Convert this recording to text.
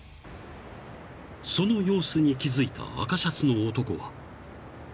［その様子に気付いた赤シャツの男は］